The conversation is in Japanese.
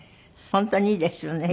本当にいいですよね。